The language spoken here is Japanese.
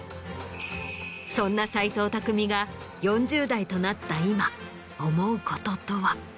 そんな斎藤工が４０代となった今思うこととは。